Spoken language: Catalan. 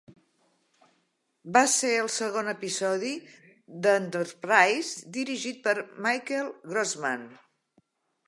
Va ser el segon episodi d'"Enterprise" dirigit per Michael Grossman.